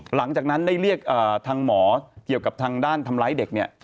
หลังจากนั้นได้เรียกทางหมอเกี่ยวกับทางด้านทำร้ายเด็กเนี่ย